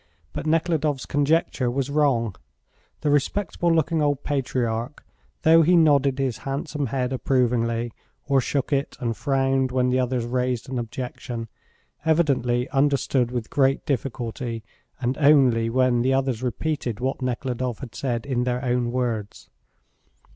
But Nekhludoff's conjecture was wrong. The respectable looking old patriarch, though he nodded his handsome head approvingly or shook it, and frowned when the others raised an objection, evidently understood with great difficulty, and only when the others repeated what Nekhludoff had said in their own words.